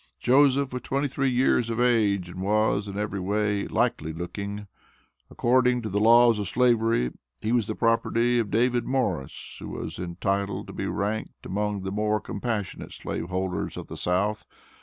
Joseph was twenty three years of age, and was, in every way, "likely looking." According to the laws of Slavery, he was the property of David Morris, who was entitled to be ranked amongst the more compassionate slave holders of the South.